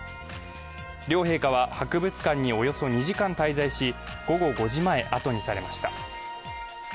両陛下は博物館におよそ２時間滞在し午後５時前、後にされました。